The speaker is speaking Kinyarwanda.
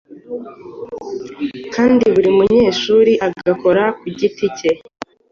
kandi buri munyeshuri agakora ku giti ke